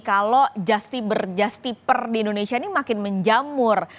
kalau justiper di indonesia ini makin menjamur